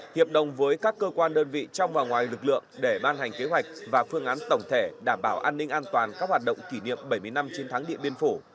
hiệp đồng với các cơ quan đơn vị trong và ngoài lực lượng để ban hành kế hoạch và phương án tổng thể đảm bảo an ninh an toàn các hoạt động kỷ niệm bảy mươi năm chiến thắng điện biên phủ